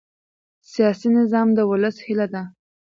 سیاسي نظام د ولس هیله ده